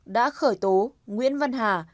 đã khởi tố nguyễn văn hà